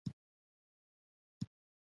وروسته دوی په سیاست کې دخیل شول.